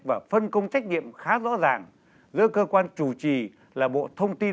và phân công trách nhiệm khá rõ ràng giữa cơ quan chủ trì là bộ thông tin